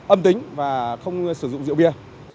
âm tính và không sử dụng rượu bia